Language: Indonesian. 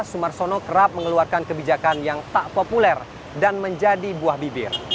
sumarsono kerap mengeluarkan kebijakan yang tak populer dan menjadi buah bibir